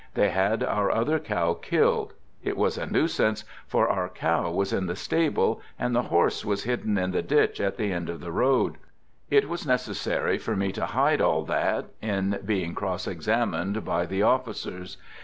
They had our other cow killed. It was a nuisance, for our cow was in the stable, and the horse was hidden in the ditch at the end of the road. It was necessary for me to hide all that in being cross examined by the officers.